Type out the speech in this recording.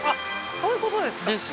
そういうことですかです